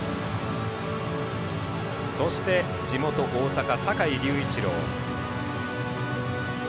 そして、地元・大阪坂井隆一郎。